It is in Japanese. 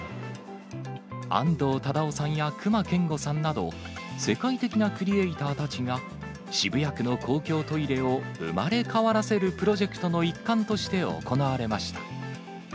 安藤忠雄さんや隈研吾さんなど、世界的なクリエーターたちが、渋谷区の公共トイレを生まれ変わらせるプロジェクトの一環として行われました。